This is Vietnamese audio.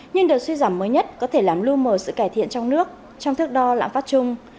nhưng đợt suy giảm mới nhất có thể làm lưu mở sự cải thiện trong nước trong thước đo lãm phát chung